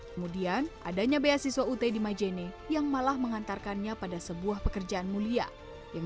kemudian adanya beasiswa ut di majene yang malah mengantarkannya pada sebuah pekerjaan mulia yang